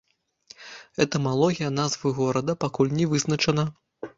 Этымалогія назвы горада пакуль не вызначана.